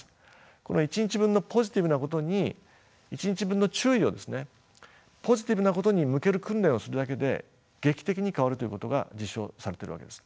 この１日分のポジティブなことに１日分の注意をポジティブなことに向ける訓練をするだけで劇的に変わるということが実証されてるわけです。